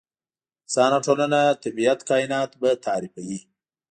انسان او ټولنه، طبیعت، کاینات به تعریفوي.